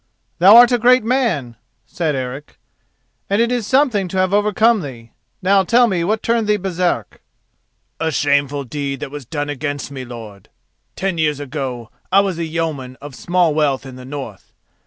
"Thou art a great man," said Eric, "and it is something to have overcome thee. Now tell me what turned thee Baresark." "A shameful deed that was done against me, lord. Ten years ago I was a yeoman of small wealth in the north.